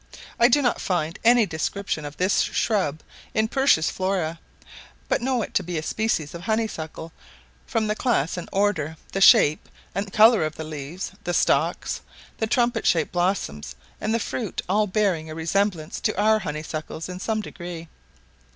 I do not find any description of this shrub in Pursh's Flora, but know it to be a species of honeysuckle, from the class and order, the shape and colour of the leaves, the stalks, the trumpet shaped blossom and the fruit; all bearing a resemblance to our honeysuckles in some degree.